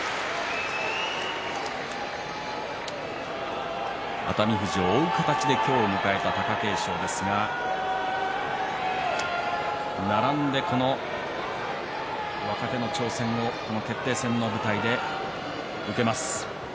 拍手熱海富士を追う形で今日を迎えた貴景勝ですが並んでこの若手の挑戦を決定戦の舞台で受けます。